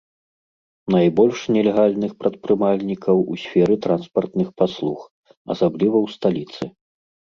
Найбольш нелегальных прадпрымальнікаў у сферы транспартных паслуг, асабліва ў сталіцы.